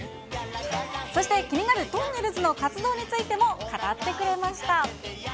そして気になるとんねるずの活動についても、語ってくれました。